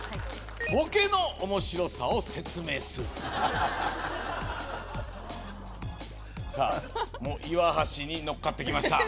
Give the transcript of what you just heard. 「ボケの面白さを説明する」さあ岩橋にのっかってきました